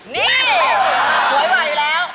นี่สวยกว่าอยู่แล้ว